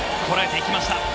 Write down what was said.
こらえていきました。